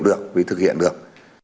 được và thực hiện được